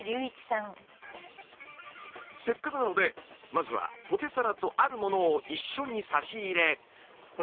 せっかくなのでまずはポテサラとあるものを一緒に差し入れ。